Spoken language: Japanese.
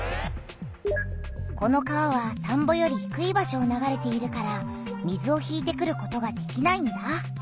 この川は田んぼよりひくい場所を流れているから水を引いてくることができないんだ！